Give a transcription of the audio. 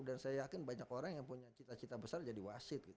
dan saya yakin banyak orang yang punya cita cita besar jadi wasit